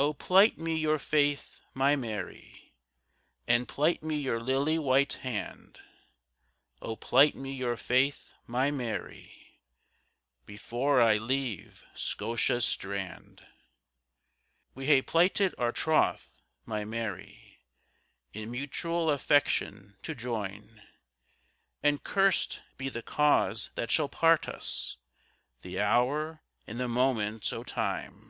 O plight me your faith, my Mary, And plight me your lily white hand;O plight me your faith, my Mary, Before I leave Scotia's strand. We hae plighted our troth, my Mary, In mutual affection to join; And curst be the cause that shall part us! The hour and the moment o' time!